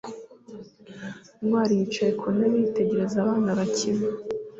ntwali yicaye ku ntebe, yitegereza abana bakina